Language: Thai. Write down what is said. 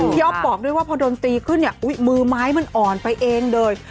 อ๊อฟบอกด้วยว่าพอโดนตีขึ้นเนี่ยอุ๊ยมือไม้มันอ่อนไปเองเลย